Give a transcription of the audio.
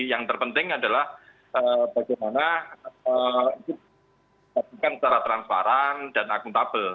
yang terpenting adalah bagaimana kita secara transparan dan akuntabel